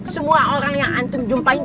semua orang yang antung jumpain tanya